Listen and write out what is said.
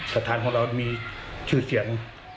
สถานของเรามีชื่อเสียง